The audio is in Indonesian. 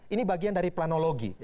ini bagian dari planologi